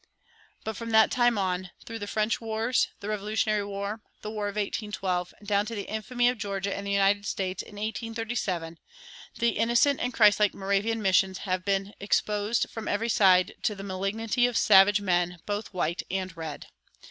But from that time on, through the French wars, the Revolutionary War, the War of 1812, and down to the infamy of Georgia and the United States in 1837, the innocent and Christlike Moravian missions have been exposed from every side to the malignity of savage men both white and red.